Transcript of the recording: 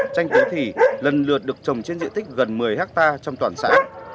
tranh tố thì lần lượt được trồng trên diện tích gần một mươi hectare trong toàn xã